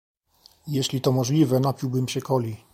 Jeśli to możliwe, napiłabym się Coli.